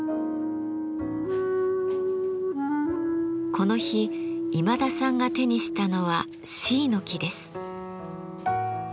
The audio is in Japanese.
この日今田さんが手にしたのはシイの木です。